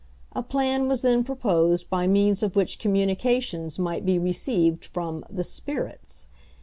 A plan was then proposed by means of which communications might be received from "the spirits."